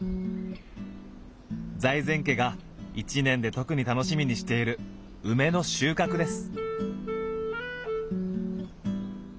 財前家が一年で特に楽しみにしている梅の収穫です。